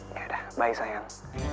oke dah bye sayang